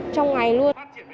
trong ngày luôn